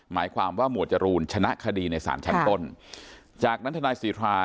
หมายความว่าหมวดจรูนชนะคดีในศาลชั้นต้นจากนั้นทนายสิทธา